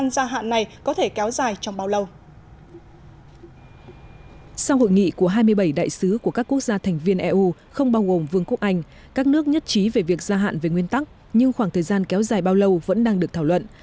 sau hội nghị của hai mươi bảy đại sứ của các quốc gia thành viên eu không bao gồm vương quốc anh các nước nhất trí về việc gia hạn về nguyên tắc nhưng khoảng thời gian kéo dài bao lâu vẫn đang được thảo luận